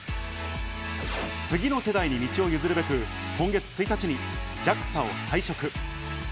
次の世代に道を譲るべく、今月１日にＪＡＸＡを退職。